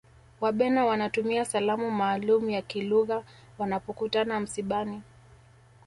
wabena wanatumia salamu maalum ya kilugha wanapokutana msibani